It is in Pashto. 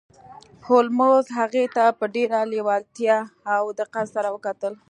هولمز هغې ته په ډیره لیوالتیا او دقت سره وکتل